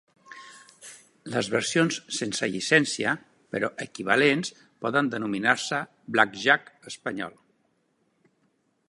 Les versions sense llicència, però equivalents, poden denominar-se blackjack espanyol.